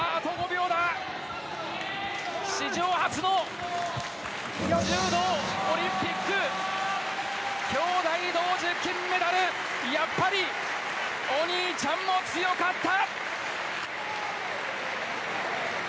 史上初の日本柔道オリンピック兄妹同時金メダルやっぱりお兄ちゃんも強かった！